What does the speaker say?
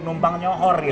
membang sohor gitu